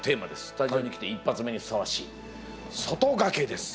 スタジオに来て一発目にふさわしい「外掛け」です。